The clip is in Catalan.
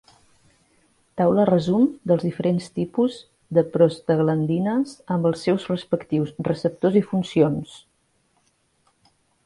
Taula resum dels diferents tipus de prostaglandines amb els seus respectius receptors i funcions.